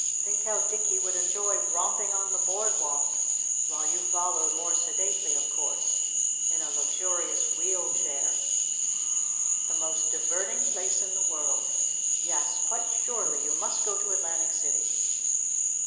Think how Dicky would enjoy romping on the board walk while you followed more sedately of course in a luxurious wheel chair! The most diverting place in the world! Yes quite surely you must go to Atlantic City!"